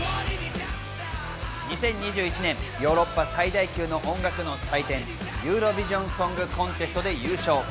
２０２１年、ヨーロッパ最大級の音楽の祭典ユーロヴィジョン・ソング・コンテストで優勝。